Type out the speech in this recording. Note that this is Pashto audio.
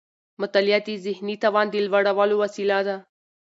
مطالعه د ذهني توان د لوړولو وسيله ده.